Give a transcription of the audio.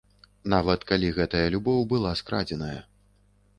Нават калі гэтая любоў была скрадзеная.